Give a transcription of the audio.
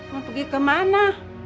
mau pergi kemana